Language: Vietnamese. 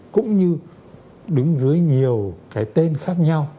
cũng như đứng dưới nhiều cái tên khác nhau